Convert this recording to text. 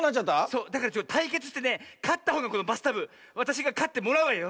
そうだからたいけつしてねかったほうがこのバスタブわたしがかってもらうわよ。